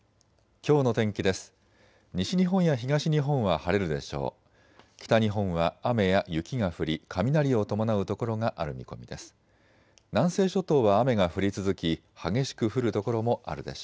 きょうの天気です。